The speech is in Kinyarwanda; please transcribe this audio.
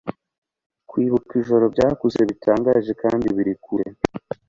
Kwibuka ijoro byakuze bitangaje kandi biri kure